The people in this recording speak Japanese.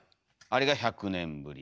あれが１００年ぶり。